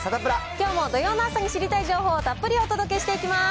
きょうも土曜の朝に知りたい情報をたっぷりお届けしていきます。